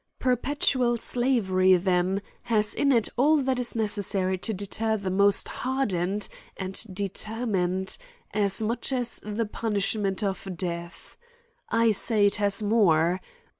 Perpetual slavery, then, has in it all that is necessary to deter the most hardened and determined, as much as the punish ment of death. I say it has more.